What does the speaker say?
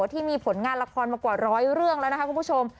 ที่มีผลงานละครมากว่าร้อยเรื่องแล้วนะคะคุณผู้ชม